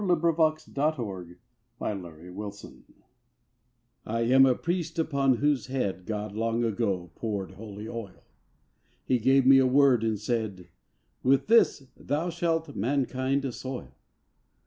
AFTER THE ORDER OF MELCHISEDEC I am a priest upon whose head God long ago poured holy oil; He gave to me a Word and said: "With this thou shalt mankind assoil!"